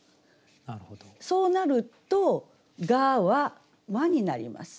そうなると「が」は「は」になります。